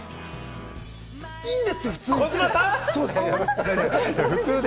いいんですよ、普通で。